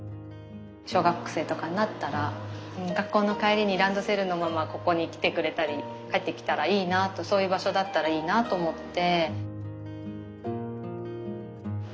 小学生とかになったら学校の帰りにランドセルのままここに来てくれたり帰ってきたらいいなとそういう場所だったらいいなと思って。